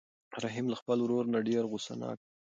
رحیم له خپل ورور نه ډېر غوسه ناک دی.